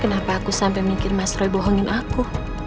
kenapa aku sampai mikir mas roy bohongin aku